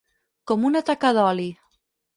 Com una taca d'oli.